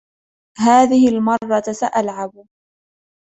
هذه المرة سألعب.